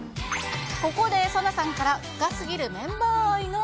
ここでサナさんから深すぎる